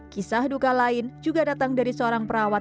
kisah duka lain juga datang dari seorang perawat